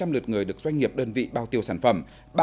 ba hai trăm linh lượt người được doanh nghiệp đơn vị bao tiêu sản phẩm